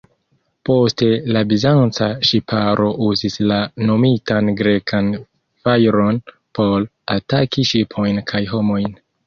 Poste la Bizanca ŝiparo uzis la nomitan Grekan fajron por ataki ŝipojn kaj homojn.